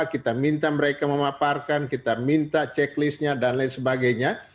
kita minta mereka memaparkan kita minta checklistnya dan lain sebagainya